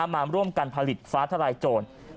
มาร่วมกันผลิตฟ้าทลายโจร